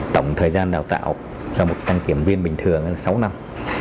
tổng thời gian đào tạo cho một đăng kiểm viên bình thường là sáu năm